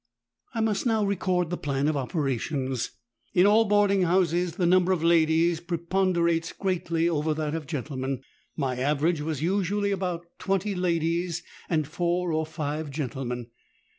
"I must now record the plan of operations. In all boarding houses the number of ladies preponderates greatly over that of gentlemen. My average was usually about twenty ladies and four or five gentlemen.